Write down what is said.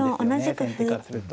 先手からすると。